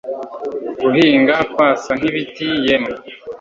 guhinga, kwasa nk'ibiti yemwe